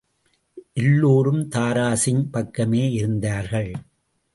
எல்லோரும் தாராசிங் பக்கமே இருந்தார்கள்.